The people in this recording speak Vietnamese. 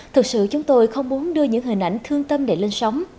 thực sự chúng tôi không muốn đưa những hình ảnh thương tâm để lên sóng